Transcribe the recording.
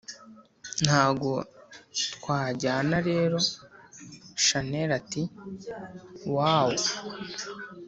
ntago twajyana rero!! chanella ati: wooowww!